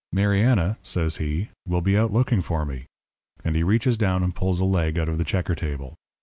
'Mariana,' says he, 'will be out looking for me.' And he reaches down and pulls a leg out of the checker table.